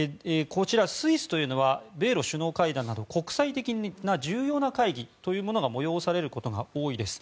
スイスというのは米露首脳会談など国際的な重要な会議が催されることが多いです。